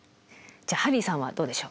じゃあハリーさんはどうでしょう？